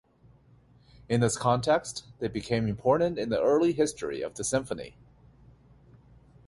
In this context, they became important in the early history of the symphony.